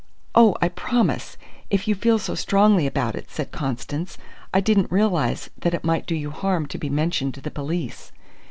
"Oh, I promise, if you feel so strongly about it," said Constance. "I didn't realize that it might do you harm to be mentioned to the police."